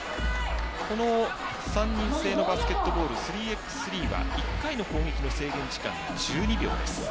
この３人制のバスケットボール３ｘ３は１回の攻撃の制限時間が１２秒です。